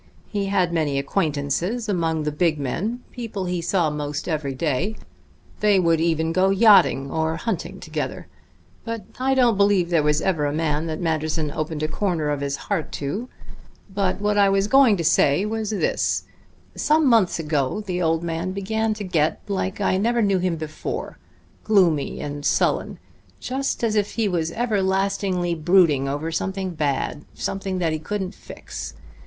He had many acquaintances among the big men, people he saw 'most every day; they would even go yachting or hunting together. But I don't believe there ever was a man that Manderson opened a corner of his heart to. But what I was going to say was this: some months ago the old man began to get like I never knew him before gloomy and sullen, just as if he was everlastingly brooding over something bad, something that he couldn't fix.